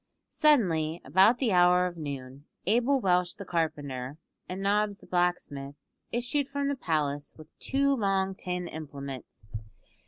Suddenly, about the hour of noon, Abel Welsh the carpenter, and Nobbs the blacksmith, issued from the palace with two long tin implements.